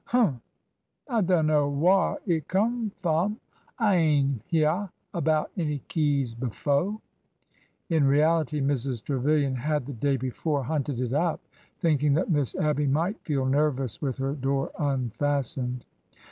Humph ! I dunno whar it come f 'om. I ain' hyeahed about any keys befo'." In reality, Mrs. Tre vilian had the day before hunted it up, thinking that Miss Abby might feel nervous with her door unfastened.